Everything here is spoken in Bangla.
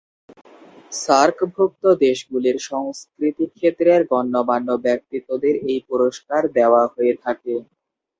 সার্ক-ভুক্ত দেশগুলির সংস্কৃতি ক্ষেত্রের গণ্যমান্য ব্যক্তিত্বদের এই পুরস্কার দেওয়া হয়ে থাকে।